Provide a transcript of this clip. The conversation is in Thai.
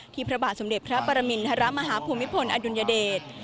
พระบาทสมเด็จพระปรมินทรมาฮาภูมิพลอดุลยเดช